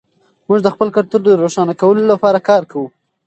موږ د خپل کلتور د روښانه کولو لپاره کار کوو.